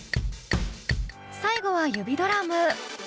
最後は指ドラム！